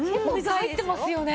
入ってますね。